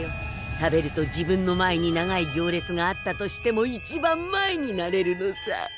食べると自分の前に長い行列があったとしても一番前になれるのさ。